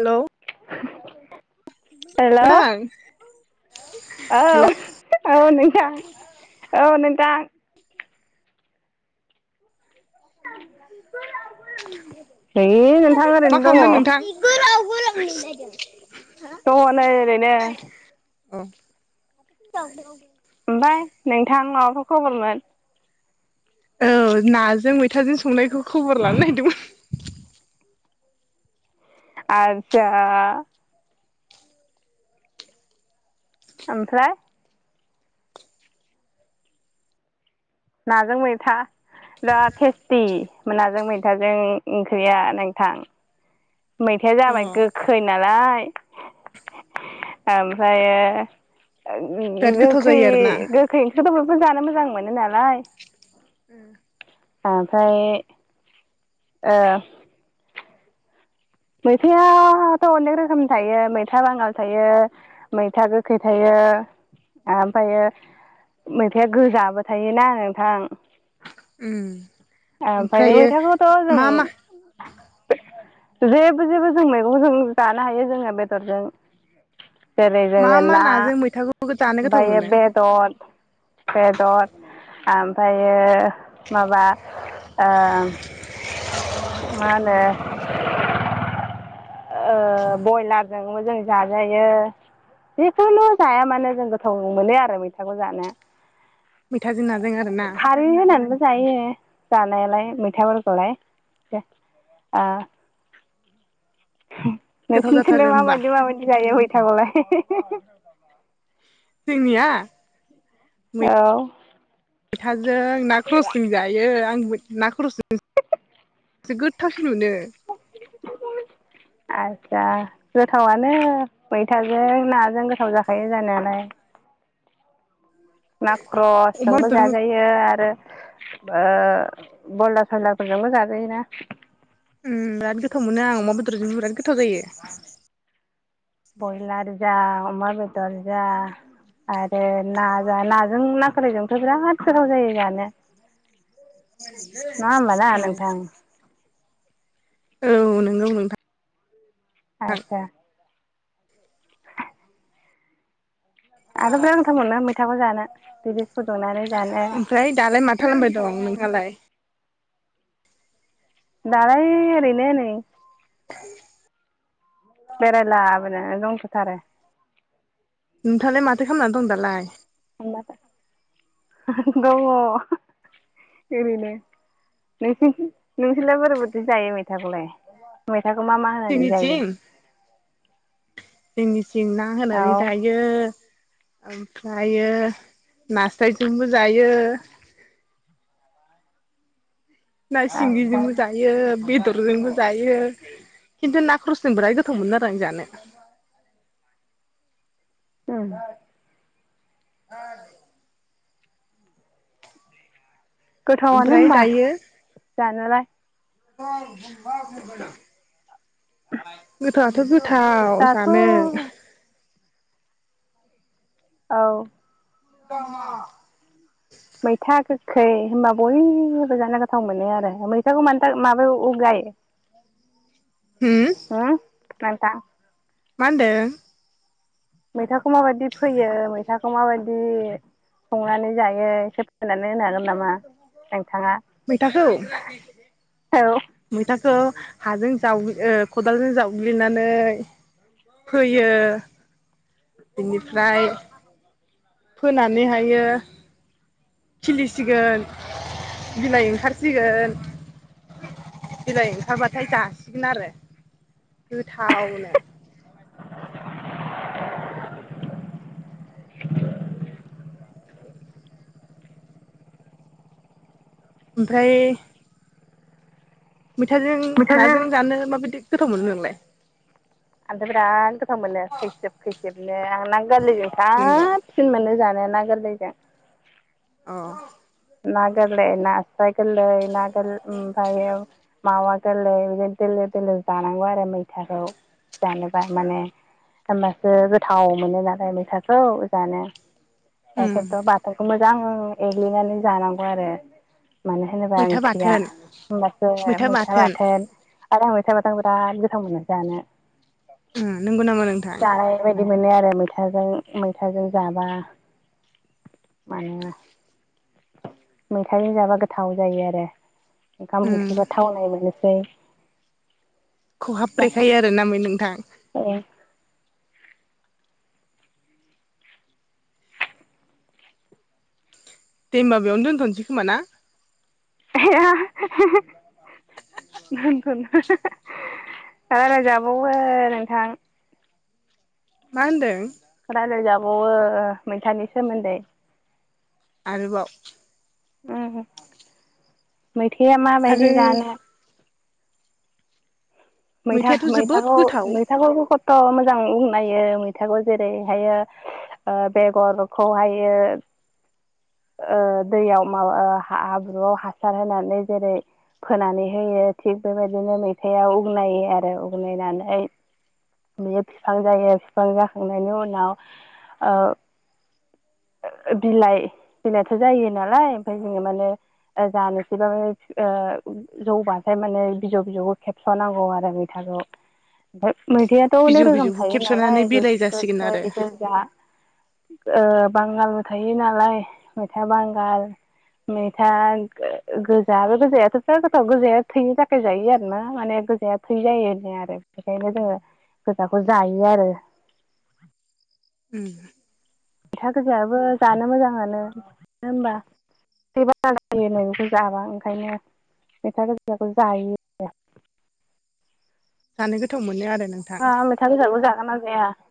Hello hello औ नोंथां hello औ नोंथां औ नोंथां [inaudible] नै नोंथां मा ओरैनो दङ खालामदों नोंथां? दङ नै ओरैनो ए [inaudible] ओमफ्राय नोंथां माबाफोर खबरमोन? औ नाजों मैथाजों संनायखौ खबर लानो नागिरदोंमोन। आसा ओमफ्राय नाजों मैथा बिराद टेस्टि नाजों मैथाजों ओंख्रिया नोंथां। मैथाया जाबाय गोखै नालाय ओमफ्रायो बिराद गोथाव गोखै जायो आरोना गो खै ओंख्रि खौथ' बयबो जानो मोजां मोनो नालाय उ ओमफ्राय ओ मैथायायाथ' अनेक रोखोमनि थायो मैथा बांगाल थायो मैथा गोखै थायो ओमफ्रायो मैथाया गोजाबो थायोना नोंथां ओमफ्राय ओमफ्रायो मैथाखौथ' मा मा जों जेबो- जेबो जों मैगंजों जानो हायो जोङो बेदरजों जेरै मा जोङो मा ना नाजों मैथाखौ जानो गोथाव ओमफायो मोनो? बे बे दद बेदर ओमफ्रायो माबा ओ मा होनो [inaudible] ओ बयलारजोंबो जों जाजायो जिखुनु जाया मानो जों गोथाव मोनो आरो मैथाखौ जानो। मिथााजोंनाजों आरो ना। खारै होनानैबो जायो जानायालाय मैथाफोरखौलाय। गोथाव नोंसिनिखैलाय जाथारो होमबा माबायदि माबायदि जायो गैथाखौलाय? जोंनिया? औ फैथाजों ना ख्रसजों जायो आं ना ख्रसजों एसे गोथावसिन मोनो आस्सा गोथावनो मैथाजों नाजों गोथाव जाखायो जानायालाय। ना अमा ख्ररसजोंबो बेदरजों जाजायो। यो आरो ओ ब्रयला सयलारफोरजोंबो जाजोयोना बिराद गोथाव मोनो आं अमा बेदरजोंबो बिराद गोथाव जायो। ब्रयलार जा अमा बेदर जा आरो न नाजों ना खोरायजोंथ' बिराद गोथाव जायो जानो नङा होमबा ना औ नोंथां औ नंगौ नोंथां। आस्सा आंथ' बिराद मथाम मोननो मैथाखौ जानो बिदस फुदुंनानै जानो ओमफ्राय दालाय माथो खालामबाय दं नोंहालाय? दालाय ओरैनो नै बेरायलाबोनो दंथोथारो। नोंथाङालाय माथो खालामना दं दालाय ग एरिनो नों नोंसोरलाय बोरैबाददि जायो मेथाखौलाय मेथाखौ मा मा होनो जोंनिथिं जोंनिथिं ना औ होनानै जायो जायो ओमफ्र नास्रायजोंबो जायो। ना आदसा सिंगिजोंबो जायो बेदरजोंबो जायो। खिन्थु ना खरसजों बिराद गोथाव मोन आरो आं जानो। औ आ गोथावानो ओमफ्राय होनबा जानोलाय बा [unintelligible] गोथावआथ' गोथाव दाथ' जानो औ मैथा गोखै होनबा बयबो जानो गोथाव मोनो आरो मैथाखौ मानो थाखाय माबायाव गायो उ [inaudible] उम नोंथां मा होनदों मैथाखौ माबायदि फैयो मैथाखौ माबायदि संनानै जायो एसे फोरमायनानै होनो हागोन नामा नोंथाङा मैथाखौ औ मैथाखौ हाजों जाव ओ खदालजों जावग्लिनानै फोयो बेनिफ्राय फोनानैहायो खिलिसिगोन बिलाइ ओंखारसिगोन बिलाइ ओंखारबाथाय जासिगोन आरो गोथावनो ओमफ्राय मैथाजों मैथाजों नाजों जानो माबायदि गोथाव मोनो नोंलाय आंथ' बिराद गोथाव मोनो खैसिब खैसिबनो ना गोरैजों नोंगौ साबसिन सिन मोनो जानोना गोरलैजों औ ना गोरलै नासराय गोरलै ना गोर ओमफ्रायायो मावा दोलो बिदिनो दोलो दोलो जानांगौ आरो मैथाखौ जानोबा माने हबासो गोथाव मोनो नालाय मैसााखौ जानो उम एखेन्थ' बाथाखौ मोजां एग्लिनानै जानांगौ आरो मानो होनोबा मैथा ओंख्रिया बाथोन होमबासो मैथा बाथोन आरो आं मैथा बाथोन आं बिराद गोथां मोनो जानो नंगौ नामा नोंथां बेबायदि मोनो आरो मैथाजों मैथाजों जाबा माना मैथों जाबा गोथाव जायो आरो ओंखाम उम ओंख्रिबा थाव नाय मोनसै खहाब्रेखायो आरो ना मै नोंथां ए दे होनबा बेयावनो दोनथ'नोसै खोमा ना ह [inaudible] दोनथ'नो राय्लायजाबावो नोंथां मा होनदों राय्लायजाबावो मैथानि सोमोन्दै आरोबाव उम मैथायआ आरो माबायदि जानो मैथा मैथायाथ' जोबोद मैथाखौ गोथाव मैथाखौ थ' मोजां बुंनायो मैथाखौ जेरैहायो बेगरखौहायो ओ दैयाव मा हाब्रुआव हासार होनानै जेरै फोनानै होयो थिग बेबायदिनो मैथायआ उगनायो आरो उगनायनानै बियो बिफां जायो बिफां जाखांनायनि उनाव बिलाइ बिलाइथ' जायो नालाय ओमफफ्राय जोङो माने जानोसैबा म जौ बथाय्र माने बिजौ बिजौखौ खेबसे 'नांगौ आरो मैथखौ ओमफ्राय मैथआाथ' अनेक बिजौ रोखोम बिजौखौ थायो खेबस'नानै नालाय बिलाइ जासिगोन गोखै आरो गोजा बांगालबो थायो नालाय मेथा बांगाल मैथा गोजा बे गोजायाथ'थ' गोथाव गोजाया थैनो थाखाय जायो आरो ना माने गोजाया थै जायो आरो बेखायनो जोङो गोजाखौ जायो आरो [inaudible] फैथा गोजायाबो जानो मोजांानो मानो होनोमबा एसे बारा जायो मैगंखौ जाबा ओंखायनो मेथा गजिराखौ जायो नोंथाङा जानो गोथाव मोनो आरो नों ह मेथाइ बेसाबबो जागोन ना जाया [unintelligible]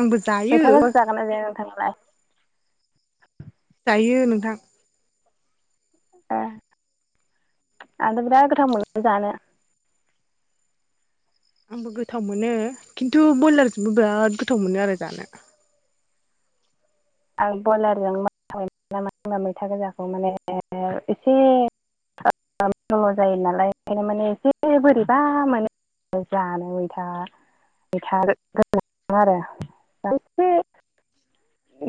आंबो जायो मैथा गोजाखौ जागोनना जाया नोंथांलाय जायो नोंथां ए आंथ बिराद गोथाव मोनो जानो आंबो गोथाव मोनो खिन्थु ब्रयलारजोंबो बिराद गोथाव मोनो आरो जानो आं ब्रयलारजों म मानो होनबा मैथा गोजाखौ माने एसे द' जायो नालाय ओंखायनो माने एसे बोरैबा माने जानो मथाैथा आरो [unintelligible]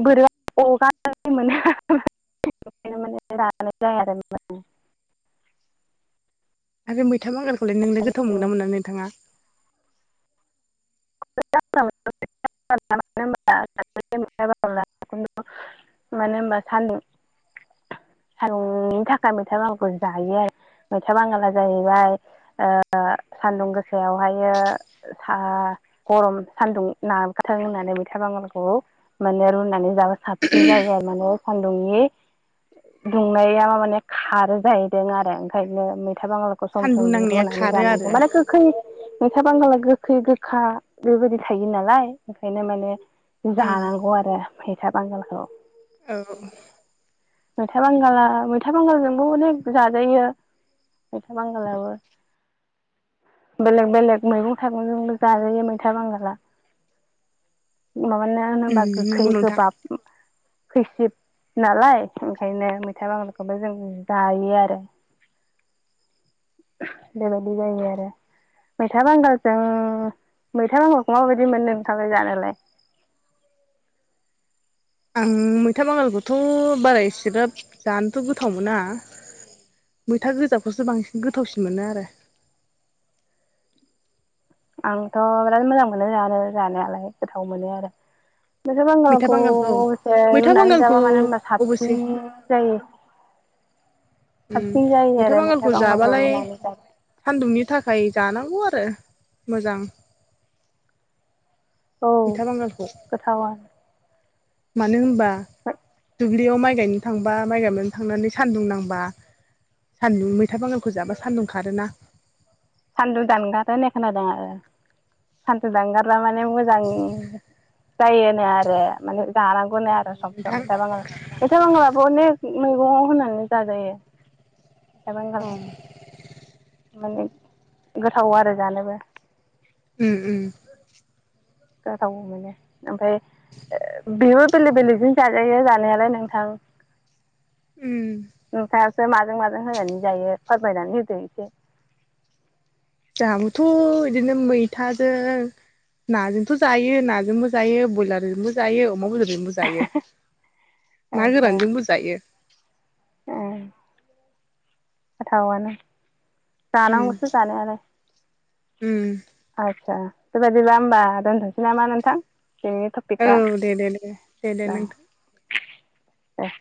बोरोब अगार मोनो बेखायनो माने रानाय जाया आरो [unintelligible] आरो मैथा बांगारखौलाय नोंनो गोथाव मोनोना मोना नोंथाङा [unintelligible] मानो होनबा सान्दुं थांनि थाखाय मैथा बांगालखौ जायो आरो मैथा बांगाला जाहैबाय ओ सान्दुं गोसायावहायो सा गरम सान्दुं नाथ रोंनानै मैथा बांगालखौ माने रुनानै जाबो साबसिन जायो आरो माने सान्दुंनि दुंनाया मा माने खारो जाहैदों आरो ओंखायनो मैथा बांगाल सम सान्दुं सम नांनाया रुनानै खारो आरो जानांगौ माने गोखै मैथा बांगाला गोखै गोखा बेबायदि थायो नालाय ओंखायनो माने औ जानांगौ आरो फैसा बांगालखौ औ मैथा बांगा मैथा बांगालजोंबो अनेक जाजायो मैथा बांगालाबबो बेलेग बेलेग मैगं थाइगंजोंबो जाजायो खोथा बांगाला माबानो होनोबा उम गोखै नंगौ नोंथां गोबाब खैसिब नालाय ओंखायनो मैथाइ बांगालखौबो जों जायो आरो [inaudible] बेबायदि जायो आरो मैथा बांगालजों मैथा नांगाखौ माबायदि मोनो नोंथां जानायालाय आं मैथा बांगालखौथ' बारा एसे्राब जानोथ' गोथाव मोना मैथा गोजाखौसो बांसिन गोथावसिन मोनो आरो आंथ' बिराद मोजां मोनो जानो जानायालाय गोथाव मोनो आरो नोंसोर मैथा बांगालखौ बांगालखौसे मैथा रुनानै बांगालखौ जाबा मानो होनबा अबसे साबसिन जायो उ साबसिन जायो मैथा आरो बांगालखौ जाबालाय रुनानै जाबा सान्दुंनि थाखाय जानांगौ आरो मोजां औ मैथा बांगालखौ गोथाव आरो मानो होनबा दुब्लियाव माइ गायनो थांबा माइ गायनानै थांनानै सान्दुं नांबा सान्दुं मैथा बांगानखौ जाबा सान्दुं खारोना सान्दुं दानगार होननाय खोनादों आरो सान्दुं दानगारा माने मोजां जायोनो आरो माने जानांगौनो आरो सम सम नोंथां बिथा बांगाल। मोथा बांगालबो अनेक मैगङाव होनानै जाजायो मैथा बांगाल माने गोथाव आरो जानोबो उम उम जाव माने ओमफ्राय बेबो बेलेग बेलेगजों जाजायो जानायालाय नोंथां उम नोंथाङासो माजों माजों होनानै जायो फोरमायनानै होदो एसे जोहाबोथ' बिदिनो मैथाजों नाजोंथ' जायो नाजोंबो जायो बयलारजोंबो जायो अमा बेदरजोंबो जायो ना गोरानजोंबो जायो। ए गोथावानो उम जानांगौसो जानायालाय। उम आदसा बेबायदिबा होमबा दोनथ'नोसै नामा नोंथां बेनि टप औ पिका दे दे दे दे दे ओं नोंथां ओं